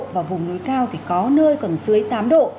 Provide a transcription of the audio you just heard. và vùng núi cao thì có nơi còn dưới tám độ